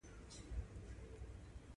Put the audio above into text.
• لمر د سیارې ځمکې لپاره سرچینه ده.